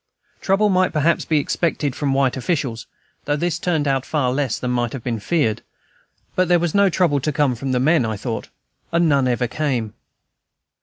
Trouble might perhaps be expected from white officials, though this turned out far less than might have been feared; but there was no trouble to come from the men, I thought, and none ever came.